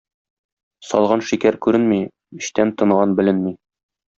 Салган шикәр күренми, эчтән тынган беленми.